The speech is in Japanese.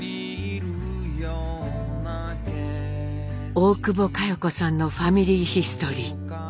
大久保佳代子さんの「ファミリーヒストリー」。